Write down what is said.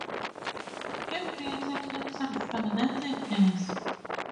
He created himself from nothingness.